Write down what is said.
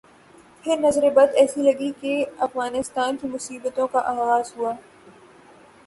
پھر نظر بد ایسی لگی کہ افغانستان کی مصیبتوں کا آغاز ہوا۔